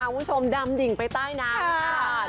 คุณผู้ชมดำดิ่งไปใต้น้ำค่ะ